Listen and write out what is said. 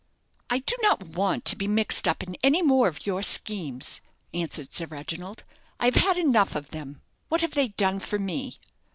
"I do not want to be mixed up in any more of your schemes," answered Sir Reginald, "I have had enough of them. What have they done for me?"